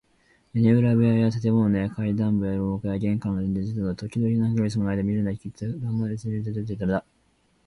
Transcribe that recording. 屋根裏部屋や建物の階段部や廊下や玄関などに転々としてとどまる。ときどき、何カ月ものあいだ姿が見られない。きっと別な家々へ移っていったためなのだ。